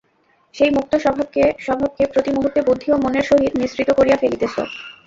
সেই মুক্ত স্বভাবকে প্রতি মুহূর্তে বুদ্ধি ও মনের সহিত মিশ্রিত করিয়া ফেলিতেছ।